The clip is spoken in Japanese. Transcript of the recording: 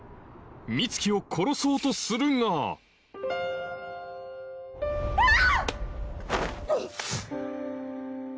美月を殺そうとするがキャア！